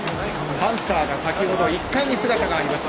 ハンターが先ほど１階に姿がありました。